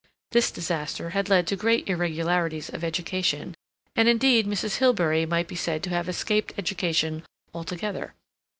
This disaster had led to great irregularities of education, and, indeed, Mrs. Hilbery might be said to have escaped education altogether.